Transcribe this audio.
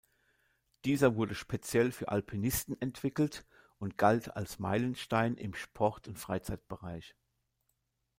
Dieser wurde speziell für Alpinisten entwickelt und galt als Meilenstein im Sport- und Freizeitbereich.